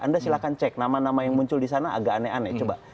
nama nama yang muncul di sana agak aneh aneh